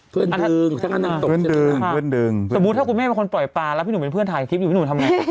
ดึงฉันก็นั่งตกดึงเพื่อนดึงสมมุติถ้าคุณแม่เป็นคนปล่อยปลาแล้วพี่หนุ่มเป็นเพื่อนถ่ายคลิปอยู่พี่หนุ่มทำไง